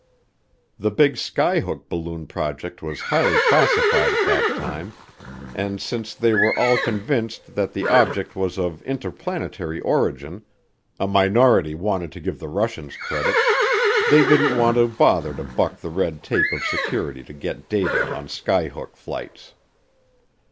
The big skyhook balloon project was highly classified at that time, and since they were all convinced that the object was of interplanetary origin (a minority wanted to give the Russians credit), they didn't want to bother to buck the red tape of security to get data on skyhook flights.